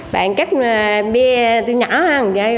bạn kép bia tiêu nhỏ